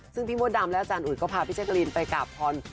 ซึ่งพี่มดดำและอาจารย์อุ๋ยก็พาพี่แจกรีนไปกราบพร